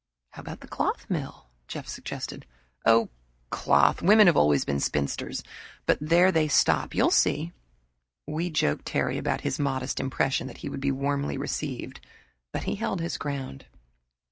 "How about that cloth mill?" Jeff suggested. "Oh, cloth! Women have always been spinsters. But there they stop you'll see." We joked Terry about his modest impression that he would be warmly received, but he held his ground.